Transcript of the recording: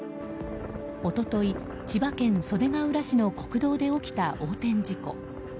一昨日、千葉県袖ケ浦市の国道で起きた横転事故。